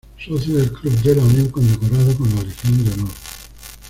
Socio del Club de La Unión, condecorado con la Legión de Honor.